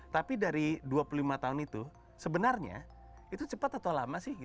tapi dari dua puluh lima tahun itu sebenarnya itu cepat atau lama sih